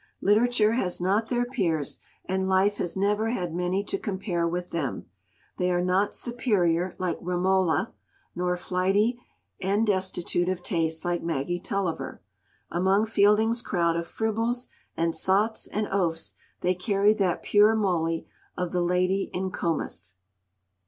Literature has not their peers, and life has never had many to compare with them. They are not "superior" like Romola, nor flighty and destitute of taste like Maggie Tulliver; among Fielding's crowd of fribbles and sots and oafs they carry that pure moly of the Lady in "Comus."